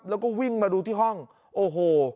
แล้วก็วิ่งมาดูที่ห้องโอ้โห